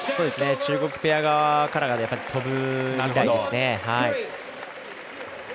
中国ペア側からのほうが飛ぶみたいですね。